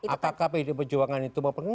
apakah pdi perjuangan itu mau penggak